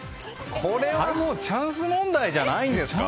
これはチャンス問題じゃないですか。